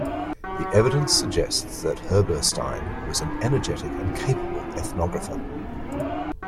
The evidence suggests that Herberstein was an energetic and capable ethnographer.